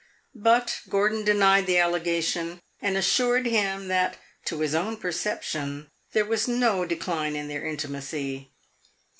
But Gordon denied the allegation, and assured him that, to his own perception, there was no decline in their intimacy.